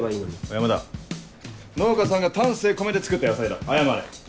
山田農家さんが丹精込めて作った野菜だ謝れ。